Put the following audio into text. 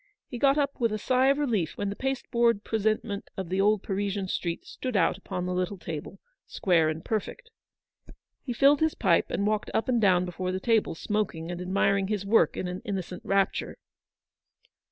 He got up with a sigh of relief when the pasteboard presentment of the old Parisian street stood out upon the little table, square and perfect. He filled his pipe and walked up and down before the table, smoking and admiring his work in an innocent rapture.